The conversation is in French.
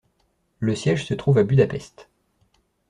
Le siège se trouve à Budapest.